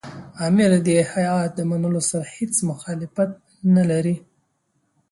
امیر د هیات د منلو سره هېڅ مخالفت نه لري.